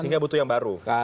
sehingga butuh yang baru